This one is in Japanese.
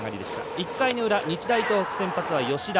１回の裏、日大東北の先発は吉田。